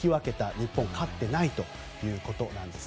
日本、勝っていないということです。